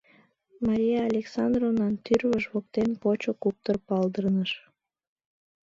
Мария Александровнан тӱрвыж воктен кочо куптыр палдырныш.